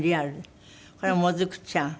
これはもずくちゃん？